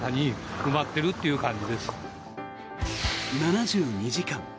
７２時間。